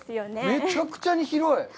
めちゃくちゃに広い。